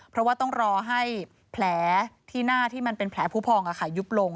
เพราะว่าต้องรอให้แผลที่หน้าที่มันเป็นแผลผู้พองยุบลง